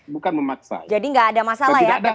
bukan memaksa jadi nggak ada masalah ya